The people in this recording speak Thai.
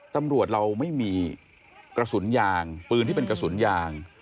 ตำรวจเราไม่มีกระสุนยางปืนที่เป็นกระสุนยาง